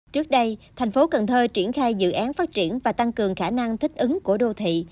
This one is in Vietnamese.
trước đây tp hcm triển khai dự án phát triển và tăng cường khả năng thích ứng của đô thị